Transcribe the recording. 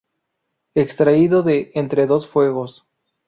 Extraído de "Entre dos fuegos".